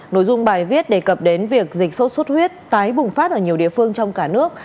nội dung bài viết đề cập đến việc dịch sốt xuất huyết tái bùng phát ở nhiều địa phương trong cả nước